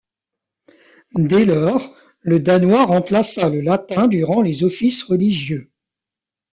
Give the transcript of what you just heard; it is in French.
Dès lors, le danois remplaça le latin durant les offices religieux.